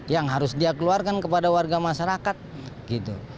yang harus dia keluarkan kepada warga masyarakat gitu